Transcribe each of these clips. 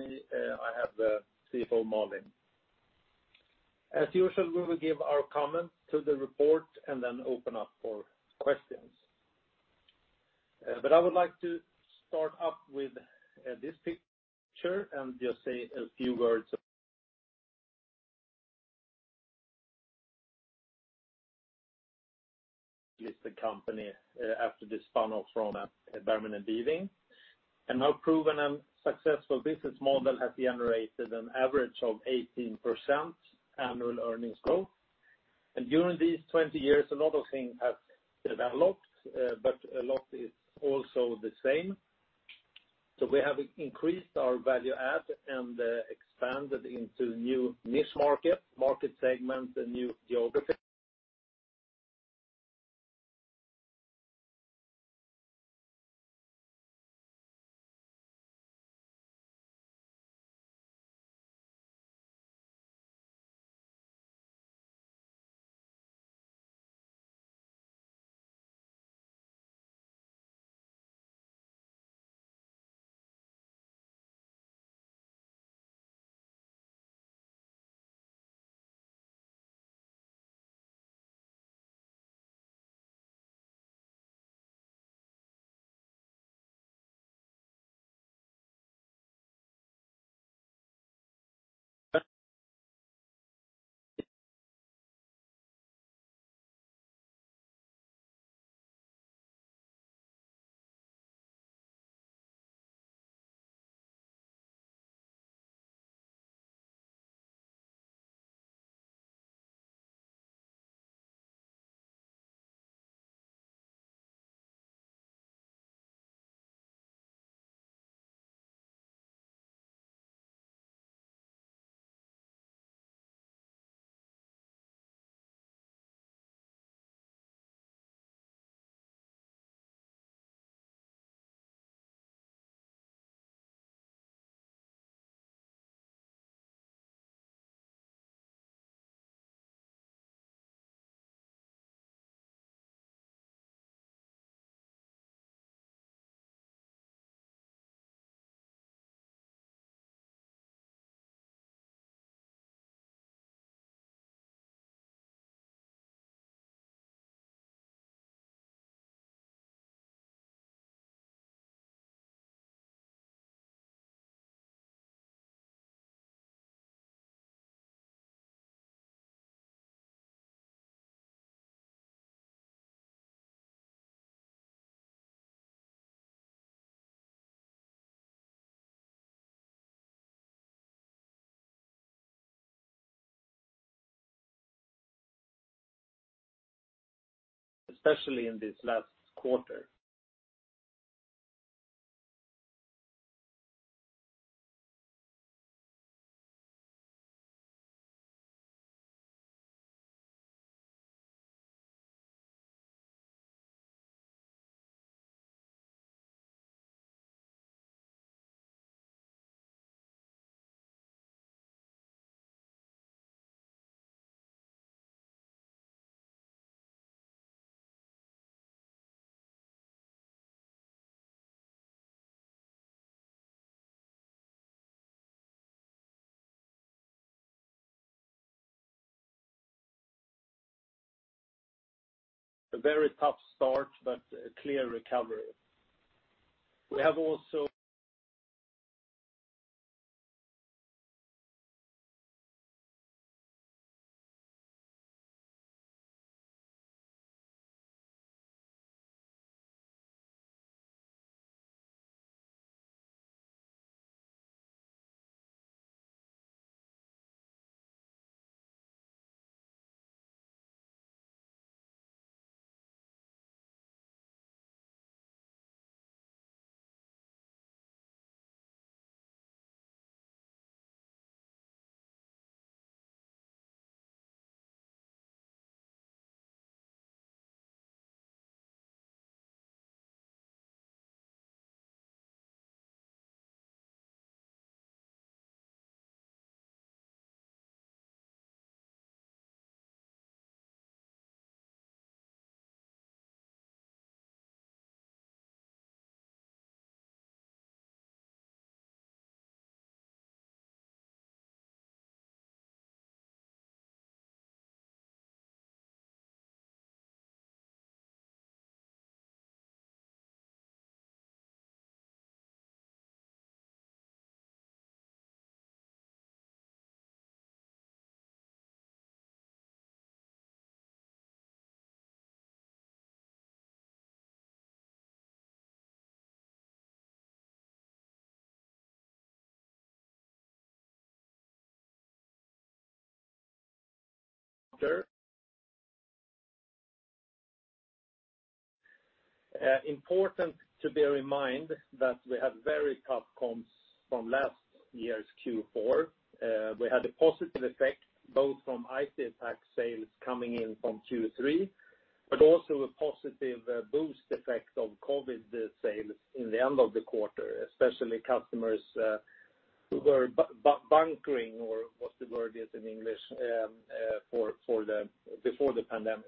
I have the CFO, Malin. As usual, we will give our comments to the report and then open up for questions. I would like to start up with this picture and just say a few words about the company after the spun-off from Bergman & Beving. Our proven and successful business model has generated an average of 18% annual earnings growth. During these 20 years, a lot of things have developed, but a lot is also the same. We have increased our value add and expanded into new niche market segments, and new geographies. Especially in this last quarter. A very tough start, but a clear recovery. We have also Important to bear in mind that we had very tough comps from last year's Q4. We had a positive effect both from IT attack sales coming in from Q3, but also a positive boost effect of COVID sales in the end of the quarter, especially customers who were bunkering, or what's the word is in English, before the pandemic.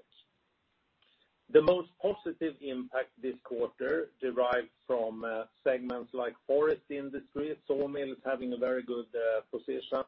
The most positive impact this quarter derived from segments like forest industry, sawmills having a very good position.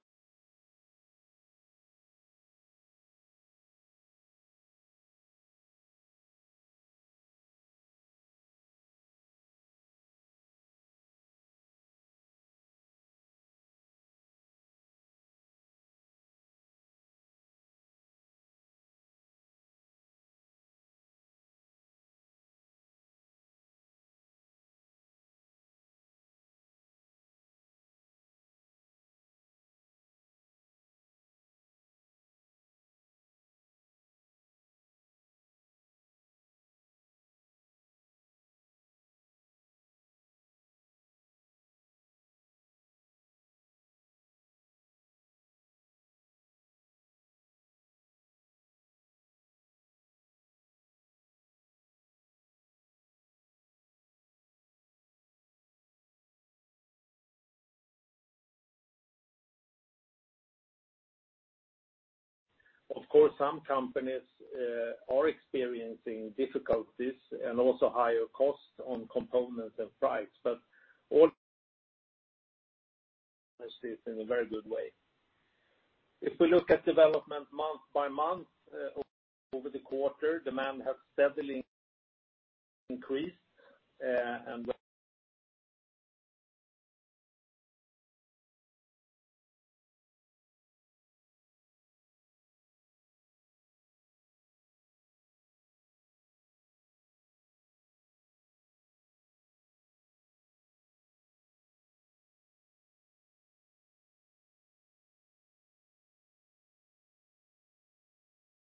Of course, some companies are experiencing difficulties and also higher costs on components and price, but all see it in a very good way. If we look at development month by month over the quarter, demand has steadily increased.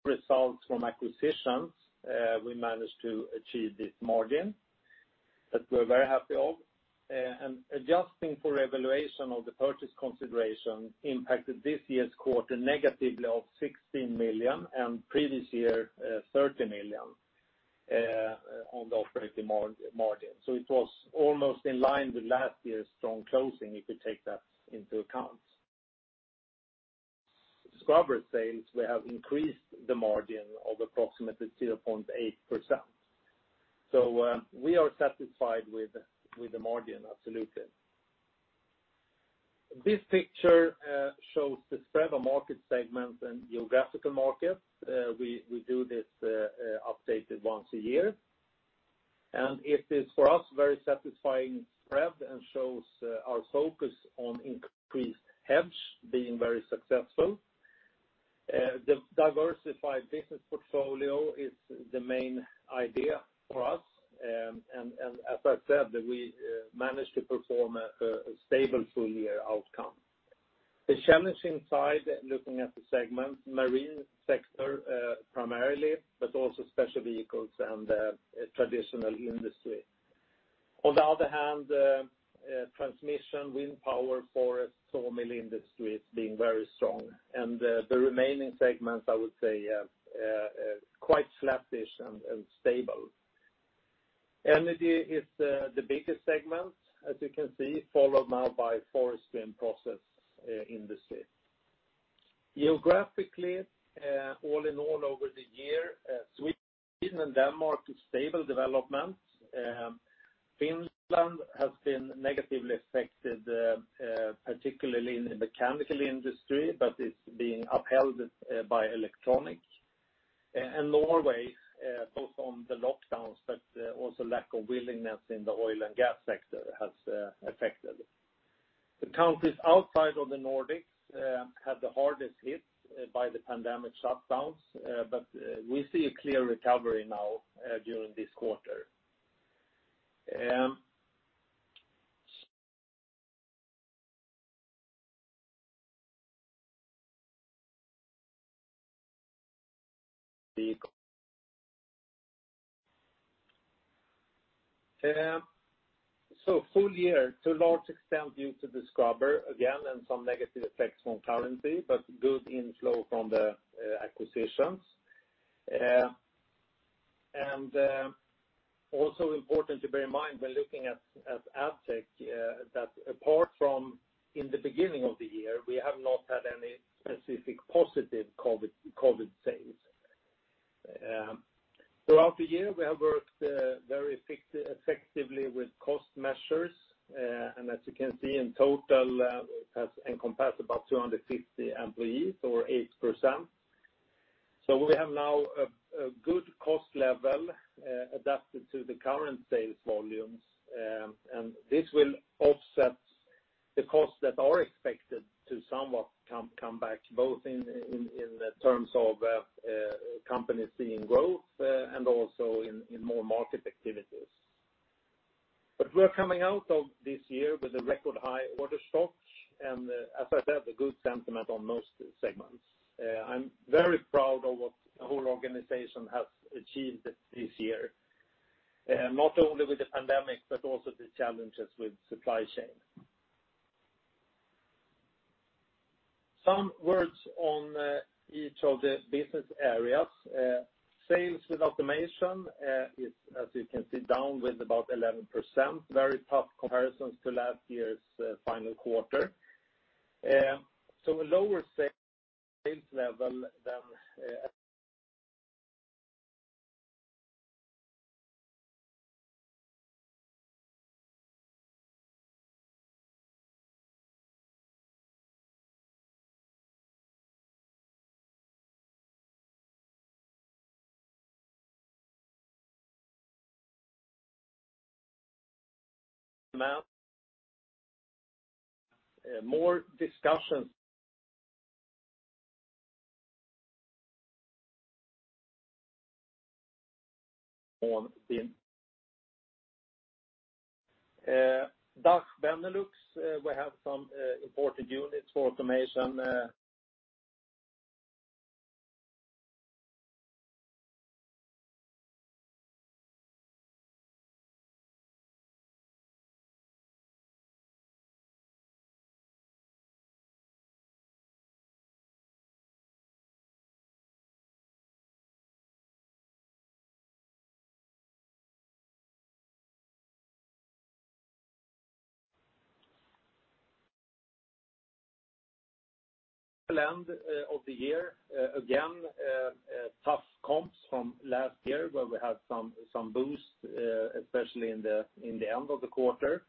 Results from acquisitions, we managed to achieve this margin that we're very happy of, and adjusting for revaluation of the purchase consideration impacted this year's quarter negatively of 16 million and previous year, 30 million on the operating margin. It was almost in line with last year's strong closing, if you take that into account. scrubber sales, we have increased the margin of approximately 0.8%. We are satisfied with the margin, absolutely. This picture shows the spread of market segments and geographical markets. We do this update once a year. It is, for us, very satisfying spread and shows our focus on increased hedge being very successful. The diversified business portfolio is the main idea for us, and as I said, we managed to perform a stable full-year outcome. The challenge inside, looking at the segment, marine sector primarily, also special vehicles and traditional industry. On the other hand, transmission, wind power, forest, sawmill industry is being very strong. The remaining segments, I would say, are quite flattish and stable. Energy is the biggest segment, as you can see, followed now by forest and process industry. Geographically, all in all, over the year, Sweden and Denmark is stable development. Finland has been negatively affected, particularly in the mechanical industry, but it's being upheld by electronic. Norway, both on the lockdowns, but also lack of willingness in the oil and gas sector has affected. The countries outside of the Nordics had the hardest hit by the pandemic shutdowns, but we see a clear recovery now during this quarter. Full year, to a large extent due to the scrubber again and some negative effects from currency, but good inflow from the acquisitions. Also important to bear in mind when looking at Addtech that apart from in the beginning of the year, we have not had any specific positive COVID sales. Throughout the year, we have worked very effectively with cost measures, and as you can see, in total, it has encompassed about 250 employees or 8%. We have now a good cost level adapted to the current sales volumes, and this will offset the costs that are expected to somewhat come back, both in terms of companies seeing growth and also in more market activities. We're coming out of this year with a record high order stock and, as I said, a good sentiment on most segments. I'm very proud of what the whole organization has achieved this year, not only with the pandemic, but also the challenges with supply chain. Some words on each of the business areas. Sales with Automation is, as you can see, down with about 11%. Very tough comparisons to last year's final quarter. More discussion on BeNeLux, we had some important units Automation. End of the year, again, tough comps from last year where we had some boost, especially in the end of the quarter.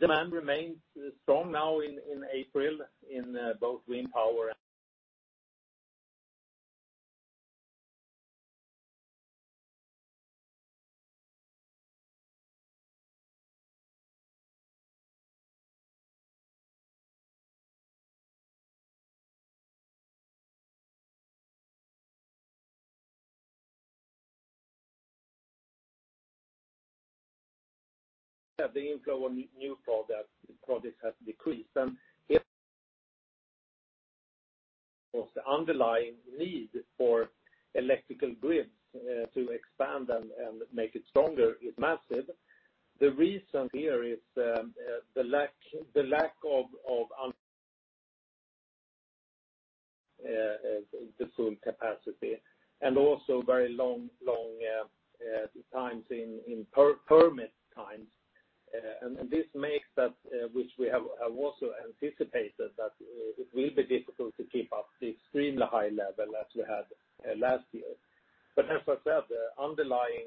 Demand remains strong now in April in both wind power. The inflow of new projects has decreased and of the underlying need for electrical grids to expand and make it stronger is massive. The reason here is the lack of the full capacity and also very long times in permit times. This makes that, which we have also anticipated, that it will be difficult to keep up the extremely high level as we had last year. As I said, the underlying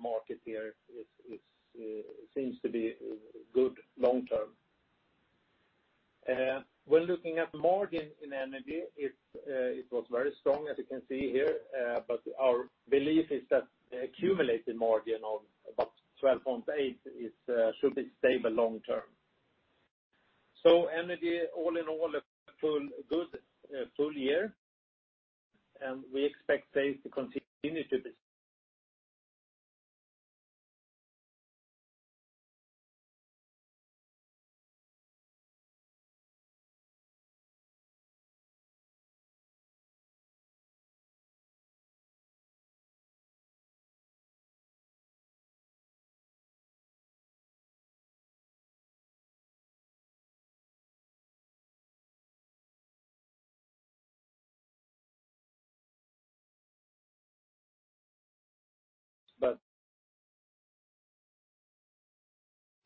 market here seems to be good long term. When looking at margin in Energy, it was very strong, as you can see here. Our belief is that the accumulated margin of about 12.8% should be stable long term. Energy all in all, a good full year, and we expect things to continue to be.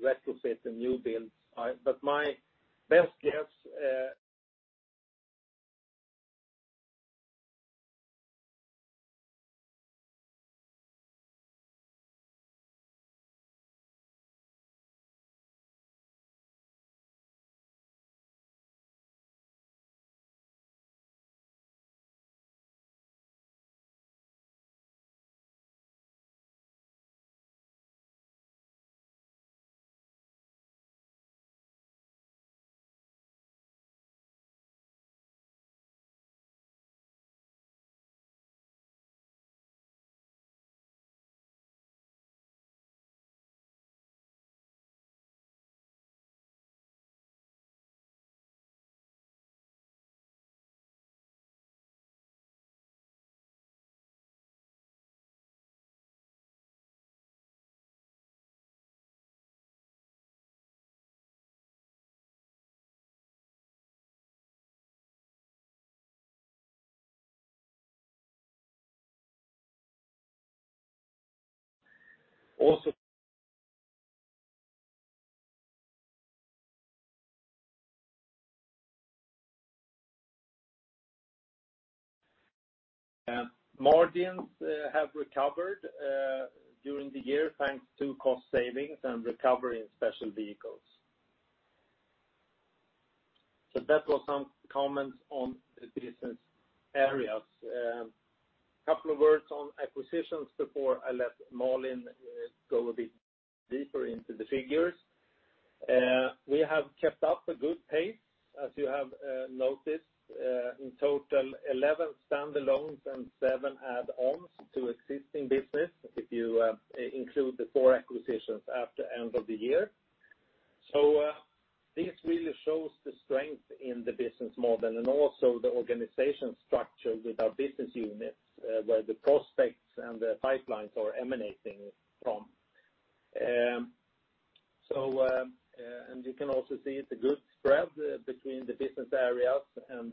Let us say the new build side, but my best guess. Also. Margins have recovered during the year thanks to cost savings and recovery in special vehicles. That was some comments on the business areas. A couple of words on acquisitions before I let Malin go a bit deeper into the figures. We have kept up a good pace, as you have noticed, in total 11 standalones and seven add-ons to existing business, if you include the four acquisitions at the end of the year. Strength in the business model and also the organization structure with our business units, where the prospects and the pipelines are emanating from. You can also see the good spread between the business areas and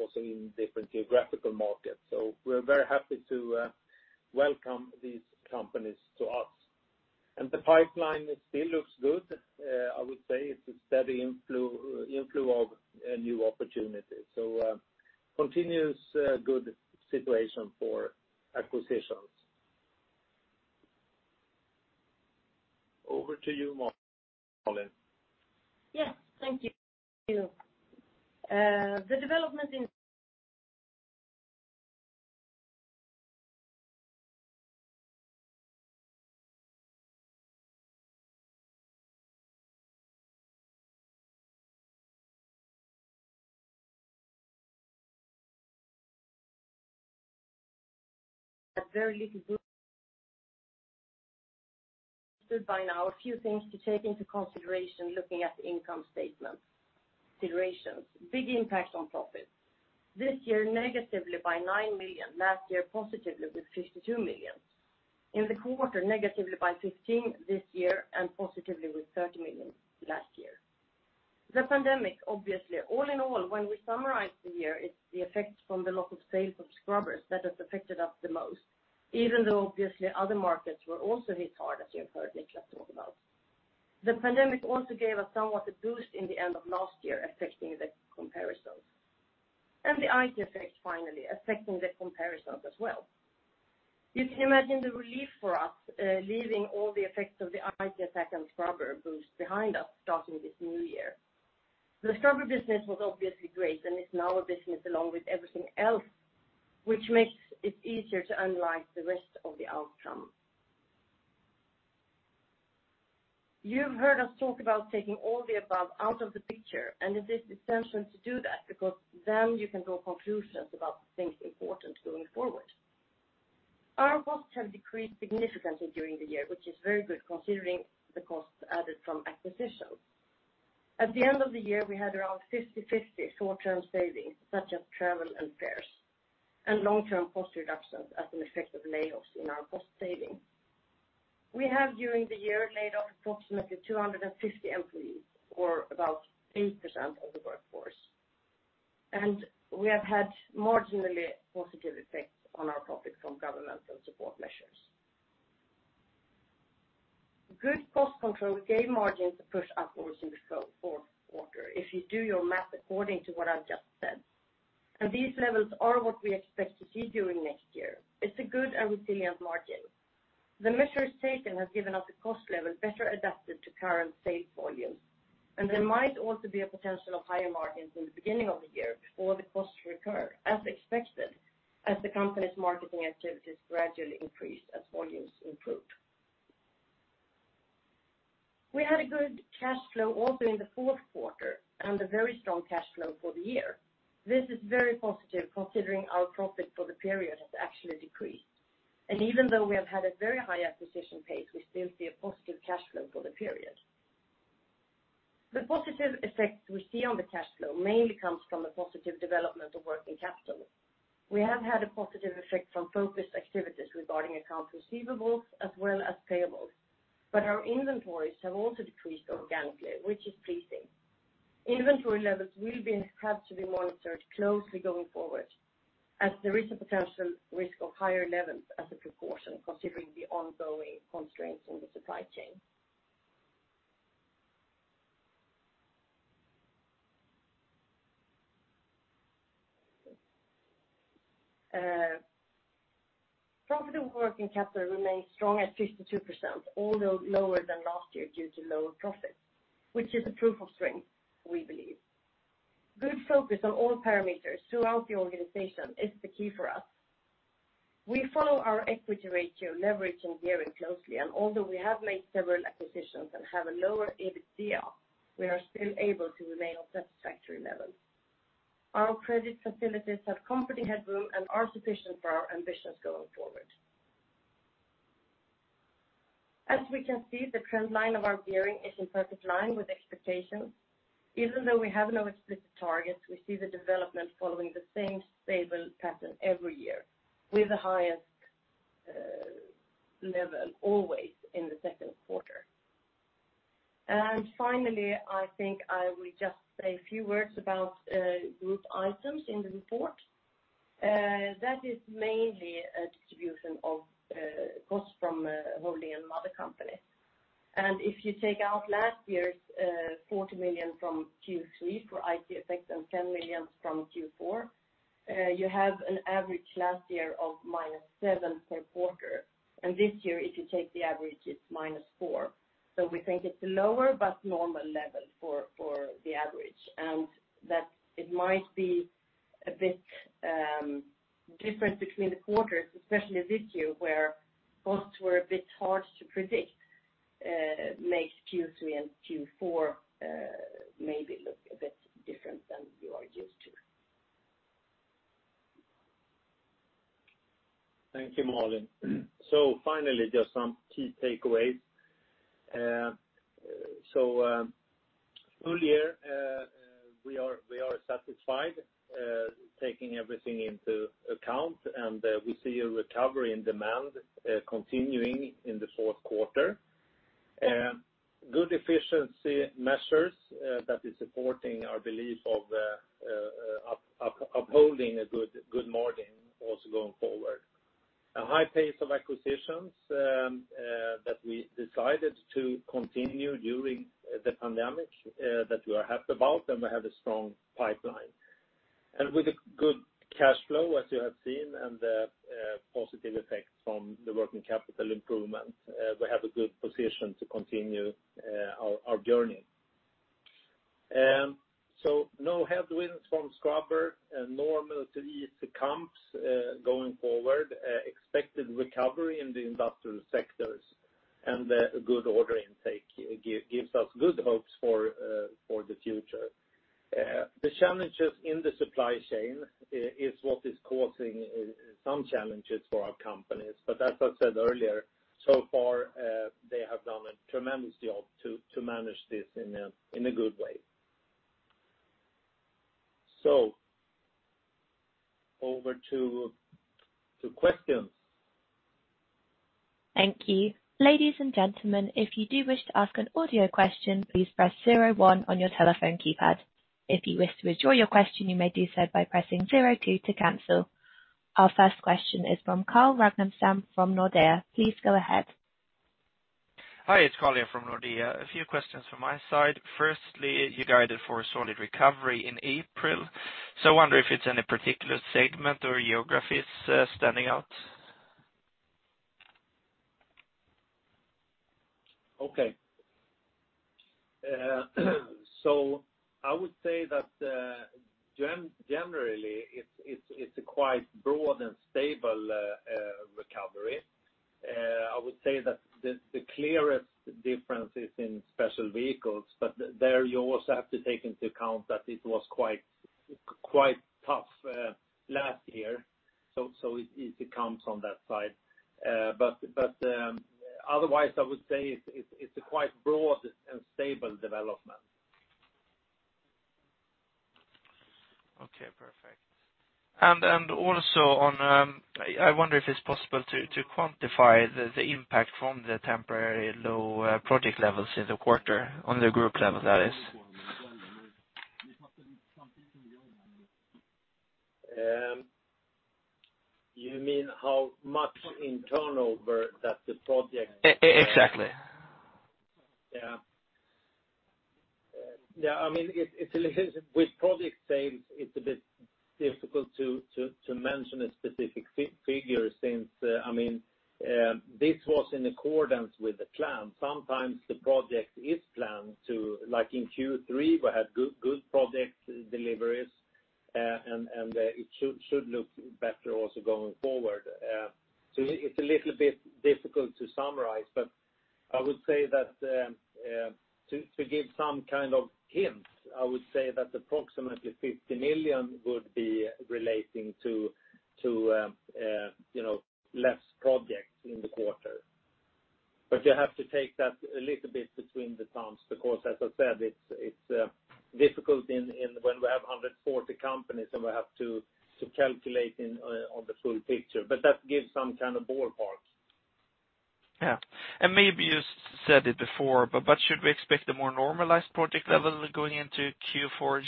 also in different geographical markets. We're very happy to welcome these companies to us. The pipeline still looks good. I would say it's a steady inflow of new opportunities. Continuous good situation for acquisitions. Over to you, Malin. Thank you. The development in-- A fairly good by now. A few things to take into consideration looking at the income statement situations. Big impact on profit. This year negatively by 9 million, last year positively with 62 million. In the quarter negatively by 15 million this year and positively with 30 million last year. The pandemic, obviously. All in all, when we summarize the year, it's the effect from the low state of scrubbers that has affected us the most, even though obviously other markets were also hit hard, as you've heard and just went about. The pandemic also gave us somewhat a boost at the end of last year, affecting the comparisons. The IT attack effect finally affecting the comparisons as well. You can imagine the relief for us, leaving all the effects of the IT attack effect and scrubber boost behind us starting this new year. The scrubber business was obviously great, and it's now a business along with everything else, which makes it easier to analyze the rest of the outcome. You've heard us talk about taking all the above out of the picture, and it is essential to do that because then you can draw conclusions about the things important going forward. Our costs have decreased significantly during the year, which is very good considering the costs added from acquisitions. At the end of the year, we had around 50/50 short-term savings, such as travel and fares, and long-term cost reductions as an effect of layoffs in our cost-saving. We have during the year laid off approximately 250 employees, or about 8% of the workforce, and we have had marginally positive effects on our profit from governmental support measures. Good cost control gave margins a push upwards in the fourth quarter if you do your math according to what I've just said. These levels are what we expect to see during next year. It's a good and resilient margin. The measure taken has given us a cost level better adapted to current sales volumes, and there might also be a potential of higher margins in the beginning of the year before the costs recur, as expected, as the company's marketing activities gradually increase as volumes improve. We had a good cash flow also in the fourth quarter and a very strong cash flow for the year. This is very positive considering our profit for the period has actually decreased. Even though we have had a very high acquisition pace, we still see a positive cash flow for the period. The positive effect we see on the cash flow mainly comes from a positive development of working capital. We have had a positive effect from focused activities regarding accounts receivables as well as payables, but our inventories have also decreased organically, which is pleasing. Inventory levels will have to be monitored closely going forward as there is a potential risk of higher levels as a proportion considering the ongoing constraints in the supply chain. Profit from working capital remains strong at 52%, although lower than last year due to lower profits, which is a proof of strength, we believe. Good focus on all parameters throughout the organization is the key for us. We follow our equity ratio leverage and gearing closely, and although we have made several acquisitions and have a lower EBITDA, we are still able to remain on satisfactory levels. Our credit facilities have comfortably headroom and are sufficient for our ambitions going forward. As we can see, the trend line of our gearing is in perfect line with expectations. Even though we have no explicit targets, we see the development following the same stable pattern every year, with the highest level always in the second quarter. Finally, I think I will just say a few words about group items in the report. That is mainly a distribution of cost from holding and other companies. If you take out last year's 40 million from Q3 for IT attack effect and 10 million from Q4, you have an average last year of minus 7 per quarter. This year, if you take the average, it's minus 4. We think it's a lower but normal level for the average, and that it might be a bit different between the quarters, especially this year, where costs were a bit hard to predict, makes Q3 and Q4 maybe look a bit different than we are used to. Thank you, Malin. Finally, just some key takeaways. Full year, we are satisfied taking everything into account, and we see a recovery in demand continuing in the fourth quarter. Good efficiency measures that is supporting our belief of upholding a good margin also going forward. A high pace of acquisitions that we decided to continue during the pandemic that we are happy about, and we have a strong pipeline. With a good cash flow, as you have seen, and the positive effect from the working capital improvement, we have a good position to continue our journey. No headwinds from scrubber, and more to come going forward, expected recovery in the industrial sectors, and a good order intake gives us good hopes for the future. The challenges in the supply chain is what is causing some challenges for our companies, but as I said earlier, so far, they have done a tremendous job to manage this in a good way. Over to questions. Thank you. Ladies and gentlemen, if you do wish to ask an audio question, please press zero one on your telephone keypad. If you wish to withdraw your question, you may do so by pressing zero two to cancel. Our first question is from Carl Ragnerstam from Nordea. Please go ahead. Hi, it's Carl from Nordea. A few questions from my side. Firstly, you guided for a solid recovery in April, so I wonder if it's any particular segment or geographies standing out? Okay. I would say that generally it's a quite broad and stable recovery. I would say that the clearest difference is in special vehicles, but there you also have to take into account that it was quite tough last year, so it easy comes on that side. Otherwise, I would say it's a quite broad and stable development. Okay, perfect. Also I wonder if it's possible to quantify the impact from the temporary low project levels in the quarter, on the group level that is? You mean how much in turnover that the? Exactly. Yeah. With project sales it's a bit difficult to mention a specific figure since this was in accordance with the plan. Like in Q3 we had good project deliveries, and it should look better also going forward. It's a little bit difficult to summarize, but I would say that to give some kind of hint, I would say that approximately 50 million would be relating to less projects in the quarter. You have to take that a little bit between the plans, because as I said, it's difficult when we have 140 companies and we have to calculate on the full picture. That gives some kind of ballpark. Yeah. Maybe you said it before, but should we expect a more normalized project level going into Q1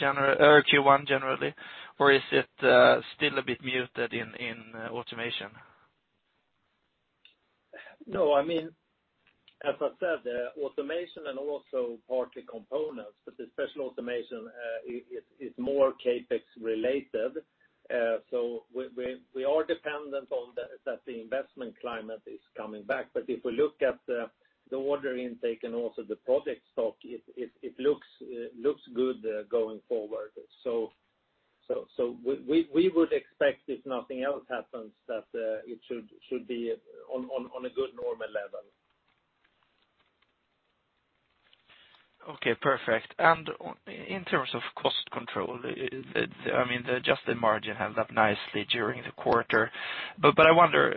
generally? Is it still a bit muted in Automation? As I said, Automation and also partly Components, but especially Automation, it's more CapEx related. We are dependent on that the investment climate is coming back. If we look at the order intake and also the project stock, it looks good going forward. We would expect, if nothing else happens, that it should be on a good normal level. Okay, perfect. In terms of cost control, the adjusted margin held up nicely during the quarter. I wonder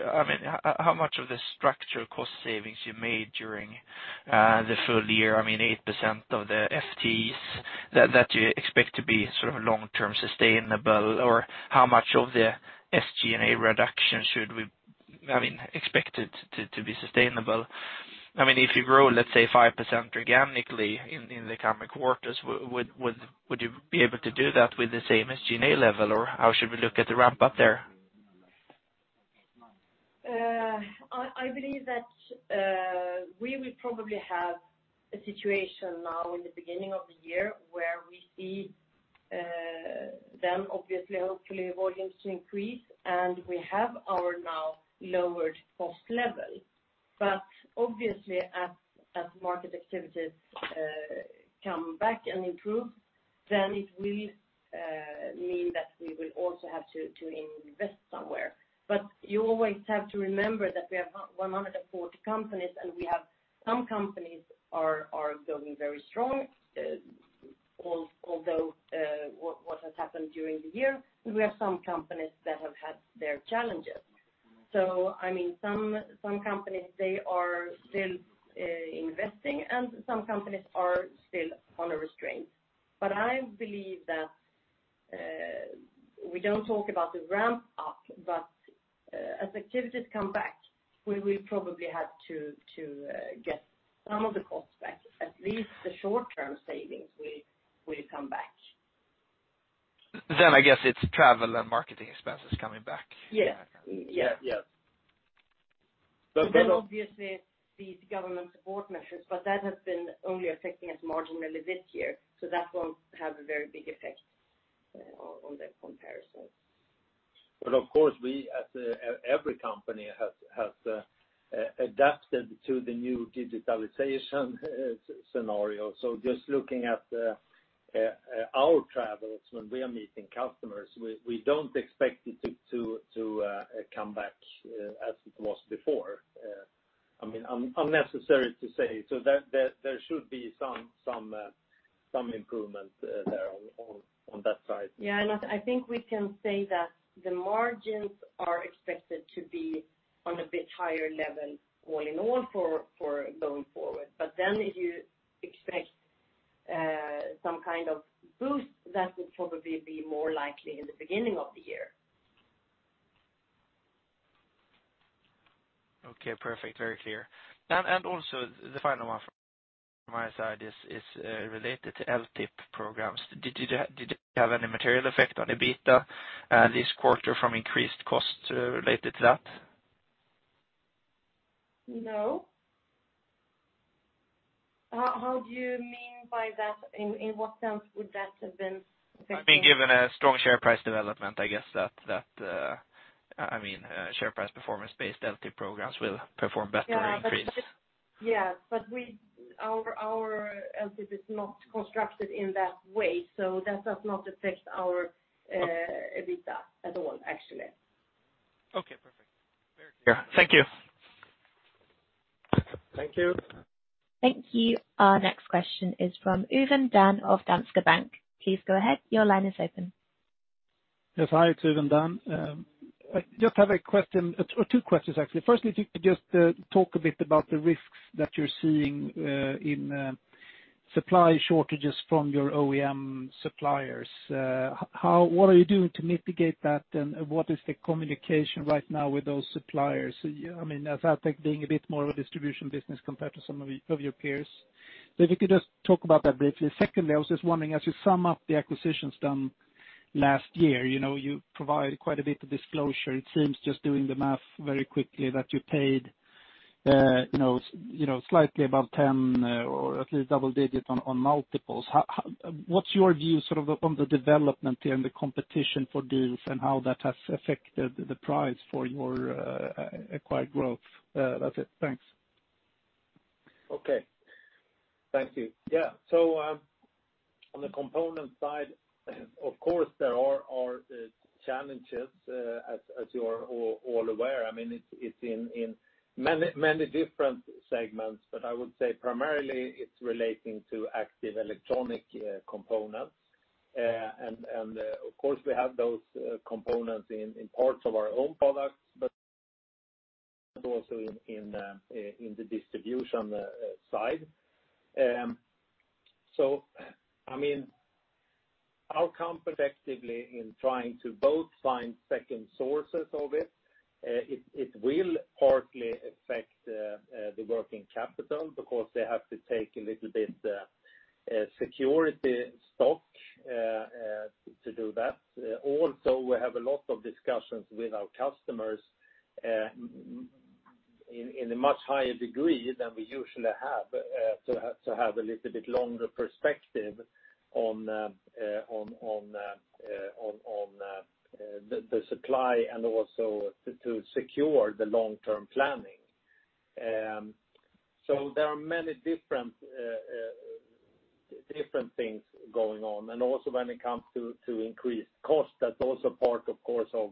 how much of the structural cost savings you made during the full year, 8% of the FTEs that you expect to be long term sustainable or how much of the SG&A reduction should we expect to be sustainable? If you grow, let's say 5% organically in the coming quarters, would you be able to do that with the same SG&A level, or how should we look at the ramp up there? I believe that we will probably have a situation now in the beginning of the year where we see them obviously, hopefully volumes increase, and we have our now lowered cost level. Obviously as market activities come back and improve, then it will mean that we will also have to invest somewhere. You always have to remember that we have 140 companies, and we have some companies are going very strong. Although what has happened during the year, we have some companies that have had their challenges. Some companies, they are still investing and some companies are still under restraint. I believe that we don't talk about the ramp up. As activities come back, we will probably have to get some of the costs back, at least the short-term savings will come back. I guess it's travel and marketing expenses coming back? Yes. Yes. Obviously these government support measures, but that has been only affecting us marginally this year, so that won't have a very big effect on the comparison. Of course, every company has adapted to the new digitalization scenario. Just looking at our travels, when we are meeting customers, we don't expect it to come back as it was before. Unnecessary to say, so there should be some improvement there on that side. Yeah. I think we can say that the margins are expected to be on a bit higher level all in all going forward. If you expect some kind of boost, that would probably be more likely in the beginning of the year. Okay, perfect. Very clear. Also the final one from my side is related to LTIP programs. Did it have any material effect on the EBITA this quarter from increased costs related to that? No. How do you mean by that? I mean, given a strong share price development, I guess that share price performance-based LTIP programs will perform better increased. Yes. Our LTIP is not constructed in that way, so that does not affect our EBITDA at all, actually. Okay, perfect. Very clear. Thank you. Thank you. Thank you. Our next question is from Evin Dunne of Danske Bank. Please go ahead. Your line is open. Yes. Hi, it's Evin Dunne. I just have a question or two questions actually. Firstly, if you could just talk a bit about the risks that you're seeing in supply shortages from your OEM suppliers. What are you doing to mitigate that, and what is the communication right now with those suppliers? Addtech being a bit more of a distribution business compared to some of your peers. If you could just talk about that briefly. Secondly, I was just wondering, as you sum up the acquisitions done last year, you provide quite a bit of disclosure. It seems just doing the math very quickly that you paid slightly above 10 or at least double digit on multiples. What's your view sort of on the development there and the competition for deals and how that has affected the price for your acquired growth? That's it. Thanks. Okay. Thank you. Yeah. On the component side, of course, there are challenges as you're all aware. It's in many different segments, but I would say primarily it's relating to active electronic components. Of course we have those components in parts of our own products, but also in the distribution side. Our competitiveness in trying to both find second sources of it will partly affect the working capital because they have to take a little bit security stock to do that. Also we have a lot of discussions with our customers in a much higher degree than we usually have to have a little bit longer perspective on the supply and also to secure the long-term planning. There are many different things going on. Also when it comes to increased cost, that's also part of course of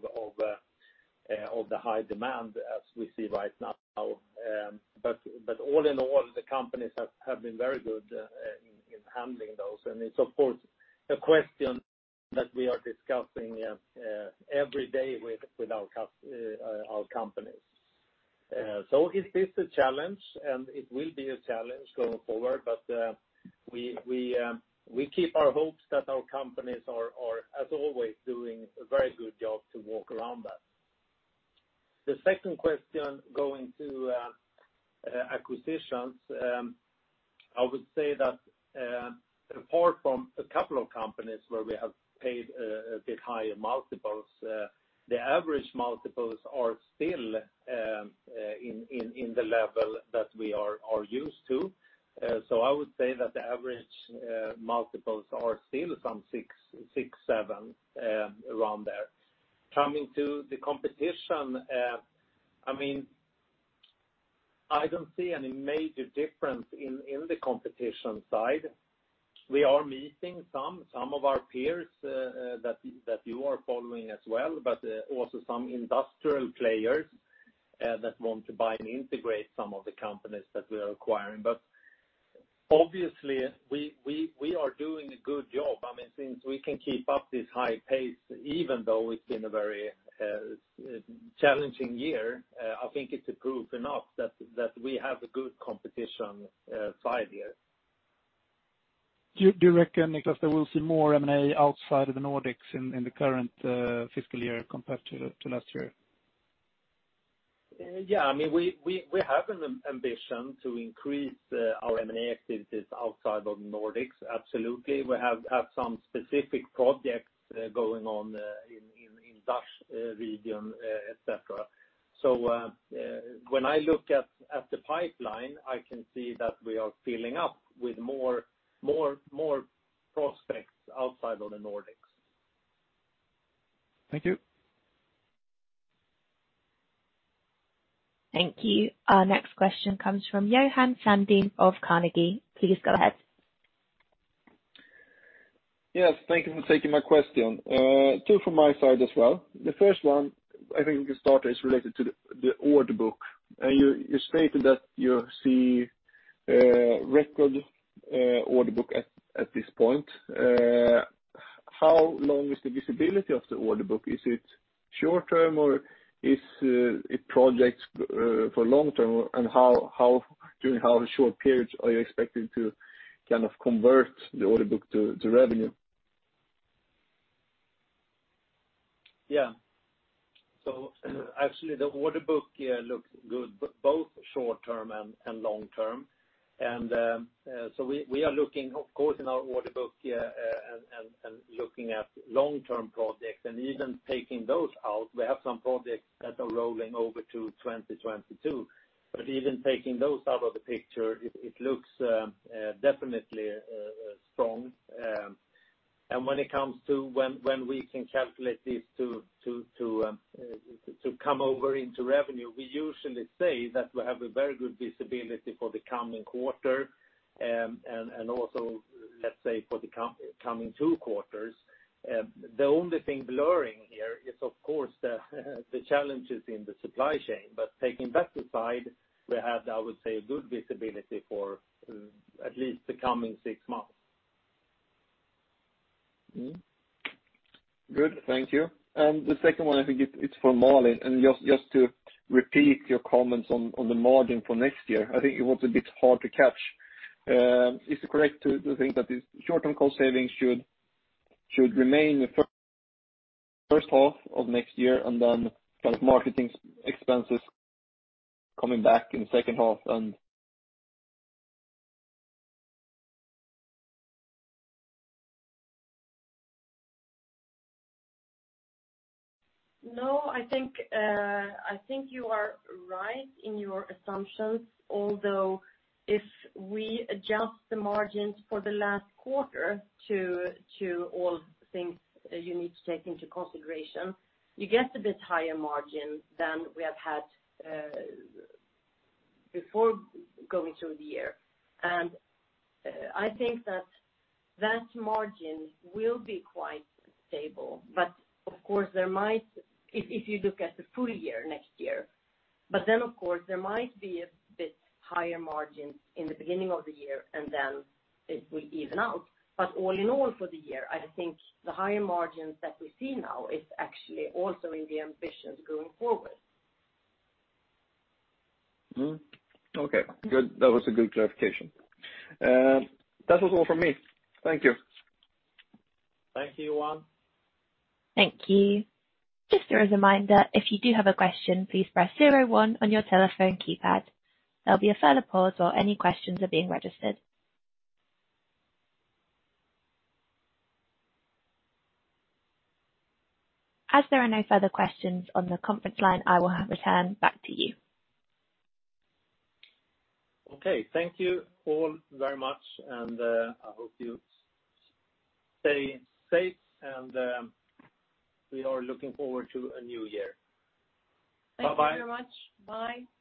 the high demand as we see right now. All in all, the companies have been very good in handling those, and it's of course a question that we are discussing every day with our companies. It is a challenge, and it will be a challenge going forward. We keep our hopes that our companies are, as always, doing a very good job to walk around that. The second question, going to acquisitions. I would say that apart from a couple of companies where we have paid a bit higher multiples the average multiples are still in the level that we are used to. I would say that the average multiples are still some six, seven around there. Coming to the competition I don't see any major difference in the competition side. We are meeting some of our peers that you are following as well, also some industrial players that want to buy and integrate some of the companies that we are acquiring. Obviously we are doing a good job. Since we can keep up this high pace, even though it's been a very challenging year, I think it's proof enough that we have a good competition side here. Do you reckon, Niklas, there will be more M&A outside of the Nordics in the current fiscal year compared to last year? Yeah, we have an ambition to increase our M&A activities outside of Nordics. Absolutely. We have had some specific projects going on in Dutch region, et cetera. When I look at the pipeline, I can see that we are filling up with more prospects outside of the Nordics. Thank you. Thank you. Our next question comes from Johan Sundén of Carnegie. Please go ahead. Yes, thank you for taking my question. Two from my side as well. The first one, I think we can start, is related to the order book. You stated that you see record order book at this point. How long is the visibility of the order book? Is it short-term or is it projects for long-term? During how short period are you expecting to convert the order book to revenue? Actually the order book looks good, both short-term and long-term. We are looking, of course, in our order book and looking at long-term projects. Even taking those out, we have some projects that are rolling over to 2022. Even taking those out of the picture, it looks definitely strong. When it comes to when we can calculate this to come over into revenue, we usually say that we have a very good visibility for the coming quarter and also, let's say, for the coming two quarters. The only thing blurring here is, of course, the challenges in the supply chain. Taking that aside, we have, I would say, good visibility for at least the coming six months. Good, thank you. The second one, I think it's for Malin. Just to repeat your comments on the margin for next year, I think it was a bit hard to catch. Is it correct to think that the short-term cost savings should remain in the first half of next year and then marketing expenses coming back in the second half then? No, I think you are right in your assumptions, although if we adjust the margins for the last quarter to all things that you need to take into consideration, you get a bit higher margin than we have had before going through the year. I think that that margin will be quite stable. Of course, if you look at the full year next year, of course there might be a bit higher margin in the beginning of the year and then it will even out. All in all for the year, I think the higher margins that we see now is actually also in the ambitions going forward. Okay, good. That was a good clarification. That was all from me. Thank you. Thank you, Johan. Thank you. Just a reminder, if you do have a question, please press zero one on your telephone keypad. There'll be a silent pause while any questions are being registered. As there are no further questions on the conference line, I will hand back to you. Okay. Thank you all very much, and I hope you stay safe, and we are looking forward to a new year. Bye-bye. Thank you very much. Bye.